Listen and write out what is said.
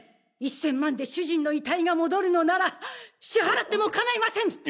１千万で主人の遺体が戻るのなら支払っても構いません！